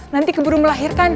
nanti keburu melahirkan